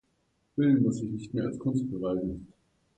Film muss sich nicht mehr als Kunst beweisen.